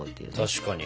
確かに。